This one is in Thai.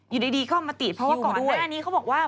อยู่ดีก็เอามาติดเพราะว่าก่อนหน้านี้เขาบอกว่า